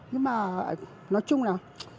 nhưng mà nói chung là